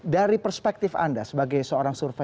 dari perspektif anda sebagai seorang survei